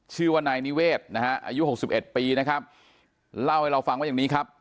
ชื่อว่านายนิเวศนะฮะอายุหกสิบเอ็ดปีนะครับเล่าให้เราฟังว่าอย่างนี้ครับ